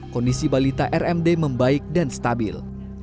kondisi balita rmd membaik dan stabil